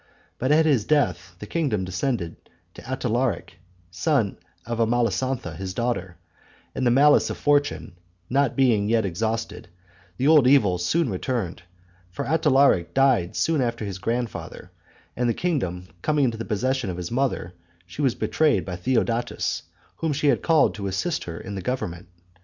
But at his death, the kingdom descending to Atalaric, son of Amalasontha, his daughter, and the malice of fortune not being yet exhausted, the old evils soon returned; for Atalaric died soon after his grandfather, and the kingdom coming into the possession of his mother, she was betrayed by Theodatus, whom she had called to assist her in the government.